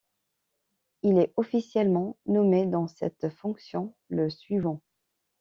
Il est officiellement nommé dans cette fonction le suivant.